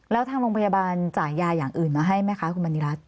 แล้วทางโรงพยาบาลจ่ายยาอย่างอื่นมาให้ไหมคะคุณบรรณีรัฐ